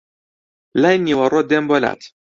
لای نیوەڕۆ دێم بۆ لات